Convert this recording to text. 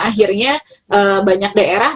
akhirnya banyak daerah